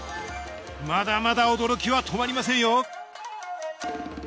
まだまだ驚きは止まりませんよ